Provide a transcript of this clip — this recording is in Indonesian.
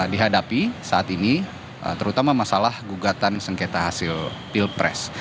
dihadapi saat ini terutama masalah gugatan sengketa hasil pilpres